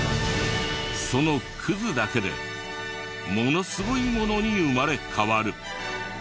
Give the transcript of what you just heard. そのクズだけでものすごいものに生まれ変わる。